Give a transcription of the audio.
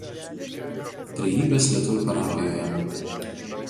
Trejybės lietuvių parapijoje.